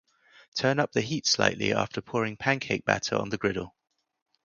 Turn the heat up slightly after pouring pancake batter on the griddle.